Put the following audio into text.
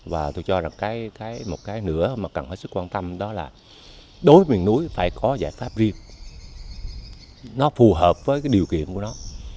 và tôi cho rằng một cái nữa mà cần phải hết sức quan tâm đó là đối với miền núi phải có giải pháp riêng nó phù hợp với cái điều kiện của nó